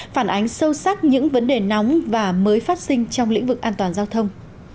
phản ánh sâu sắc những vấn đề nóng và mới phát sinh trong lĩnh vực an toàn giao thông